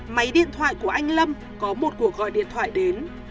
máy điện thoại của anh lâm có một cuộc gọi điện thoại đến